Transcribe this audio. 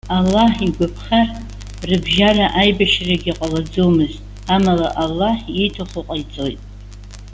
Аллаҳ игәаԥхар, рыбжьара аибашьрагьы ҟалаӡомызт, амала Аллаҳ ииҭаху ҟаиҵоит.